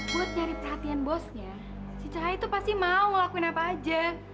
buat nyari perhatian bosnya si cahaya itu pasti mau ngelakuin apa aja